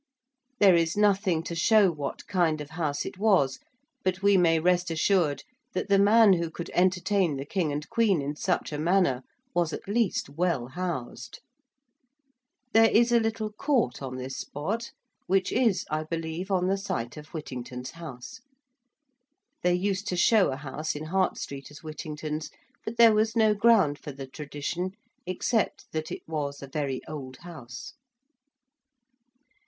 There is nothing to show what kind of house it was, but we may rest assured that the man who could entertain the King and Queen in such a manner was at least well housed. There is a little court on this spot which is, I believe, on the site of Whittington's house. They used to show a house in Hart Street as Whittington's, but there was no ground for the tradition except that it was a very old house.